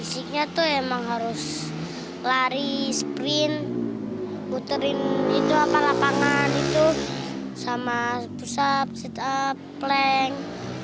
fisiknya tuh emang harus lari sprint buterin lapangan sama push up sit up plank